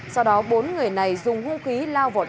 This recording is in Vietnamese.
sau đó bốn người này dùng hưu khí lao vỏ chạy